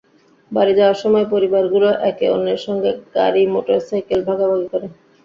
বাড়ি যাওয়ার সময়ও পরিবারগুলো একে অন্যের সঙ্গে গাড়ি, মোটরসাইকেল ভাগাভাগি করে।